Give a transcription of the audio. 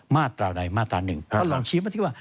มาตราอะไรมาตราหนึ่งเราลองเชียงมาที่ว่า